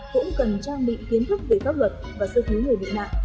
cũng cần trang bị kiến thức về pháp luật và sôi cứu người bị nặng